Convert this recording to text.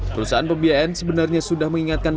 perusahaan pembiayaan sebenarnya sudah mengingatkan